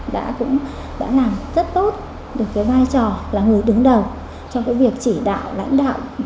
đã làm rất tốt được cái vai trò là người đứng đầu trong cái việc chỉ đạo lãnh đạo